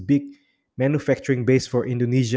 perusahaan pembuatan besar indonesia